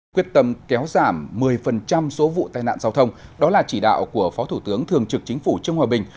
quyết tâm kéo giảm một mươi số vụ tai nạn giao thông đó là chỉ đạo của phó thủ tướng thường trực chính phủ trương hòa bình